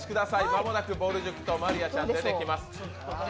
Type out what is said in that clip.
間もなくぼる塾と真莉愛ちゃん出てきます。